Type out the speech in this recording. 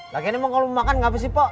lagi ini mau ngopi mau makan gak bisa sih pok